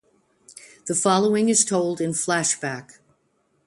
The following is told in flashback.